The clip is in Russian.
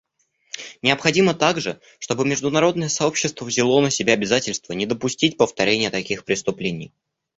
Необходимо также, чтобы международное сообщество взяло на себя обязательство не допустить повторения таких преступлений.